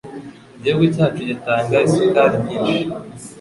Igihugu cyacu gitanga isukari nyinshi.